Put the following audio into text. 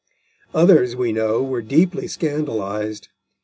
Others, we know, were deeply scandalised.